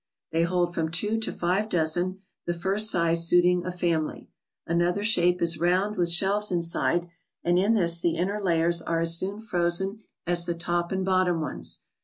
They hold from two to five dozen, the first size suiting a family. Another shape is round with shelves inside, and in this the inner layers are as soon frozen as the top and bottom ones.